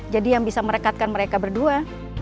jadi yang bisa merekatkan mereka berdua